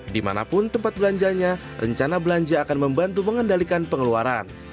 dimanapun tempat belanjanya rencana belanja akan membantu mengendalikan pengeluaran